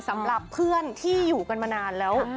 สำหรับเพื่อนที่อยู่กันมานานแล้ว